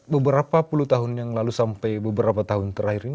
beberapa puluh tahun yang lalu sampai beberapa tahun terakhir ini